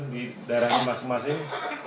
di daerah masing masing